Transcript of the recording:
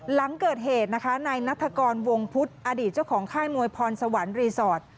หลังเกิดเหตุนะคะนายนัฐกรวงพุทธอดีตเจ้าของค่ายมวยพรสวรรค์รีสอร์ท